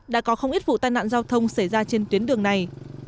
đã có không ít vụ tai nạn giao thông xảy ra trên tuyến đường này